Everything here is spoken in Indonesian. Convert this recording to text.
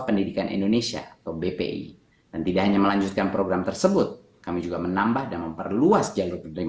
agar dapat merangkul lebih banyaknya